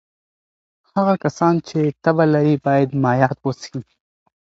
هغه کسان چې تبه لري باید مایعات وڅښي.